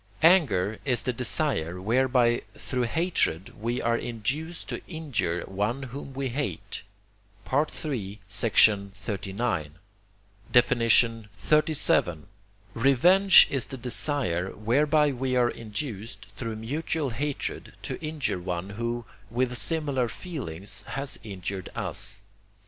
Anger is the desire, whereby through hatred we are induced to injure one whom we hate, III. xxxix. XXXVII. Revenge is the desire whereby we are induced, through mutual hatred, to injure one who, with similar feelings, has injured us.